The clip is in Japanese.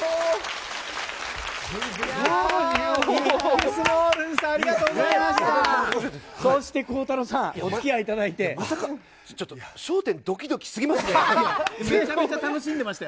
ビックスモールンさん、ありがとうございました。